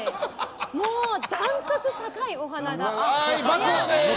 もう、ダントツ高い、お鼻が。